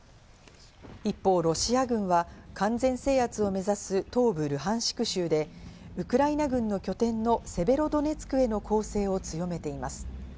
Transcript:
一方、ロシア軍は完全制圧を目指す東部ルハンシク州で、ウクライナ軍の拠点のセベロドネツクへの攻勢を強めています。